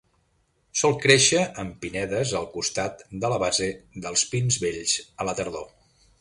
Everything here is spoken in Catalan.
Sol créixer en pinedes al costat de la base dels pins vells a la tardor.